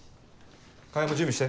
川合も準備して。